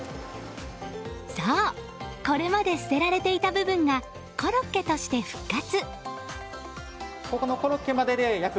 そうこれまで捨てられていた部分がコロッケとして復活。